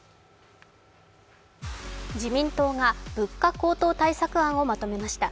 自民党が物価高騰対策案をまとめました。